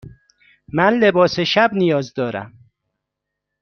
من لباس شب نیاز دارم.